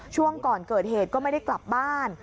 ช่วงก่อนเกิดเหตุก็ไม่ได้กลับบ้าน